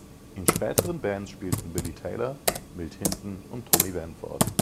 In späteren Bands spielten Billy Taylor, Milt Hinton und Tommy Benford.